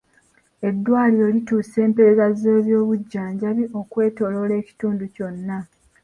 Eddwaaliro lituusa empeereza z'ebyobujjanjabi okwetooloola ekitundu kyonna.